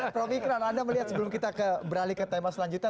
profikran anda melihat sebelum kita beralih ke tema selanjutnya